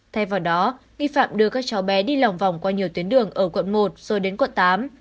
thay vào đó nghi phạm đưa các cháu bé đi lòng vòng qua nhiều tuyến đường ở quận một rồi đến quận tám